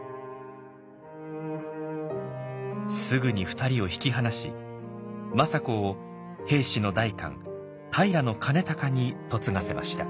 すぐに２人を引き離し政子を平氏の代官平兼隆に嫁がせました。